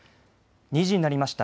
２時になりました。